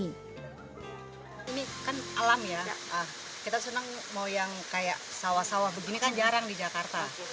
ini kan alam ya kita senang mau yang kayak sawah sawah begini kan jarang di jakarta